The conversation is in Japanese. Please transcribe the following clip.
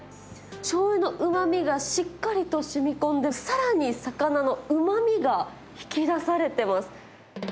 しょうゆのうまみがしっかりとしみこんで、さらに魚のうまみが引き出されてます。